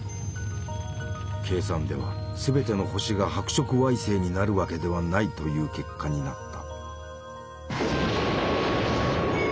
計算では全ての星が白色矮星になるわけではないという結果になった。